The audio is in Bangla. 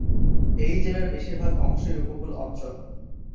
এই জেলার বেশিরভাগ অংশই উপকূল অঞ্চল।